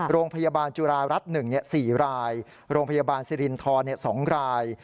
โรงพยาบาลจุฬารัฐ๑๔รายโรงพยาบาลสิรินทร๒ราย